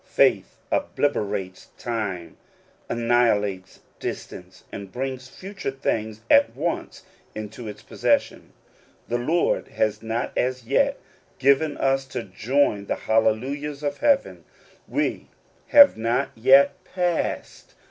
Faith obliterates time, annihilates distance, and brings future things at once into its posses sion. The Lord has not as yet given us to join the hallelujahs of heaven: we have not yet passed The Peculiar Treasure of Believers.